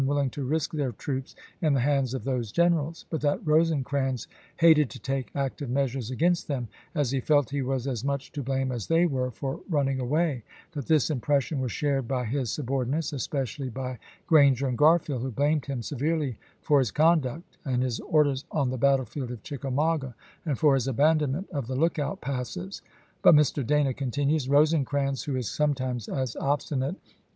201, 2k willing to risk their troops in the hands of those generals ; but that Eosecrans hated to take active measures against them, as he felt he was as much to blame as they were for running away; that this impression was shared by his subordinates, espe cially by Granger and Garfield, who blamed him severely for his conduct and his orders on the battlefield of Chickamauga, and for his abandon ment of the Lookout passes ;" but," Mr. Dana con tinues, " Eosecrans, who is sometimes as obstinate oct.